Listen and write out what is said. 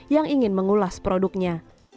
yang ingin mengulas produknya